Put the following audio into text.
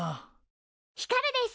ひかるです！